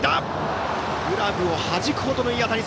グラブをはじくほどのいい当たり。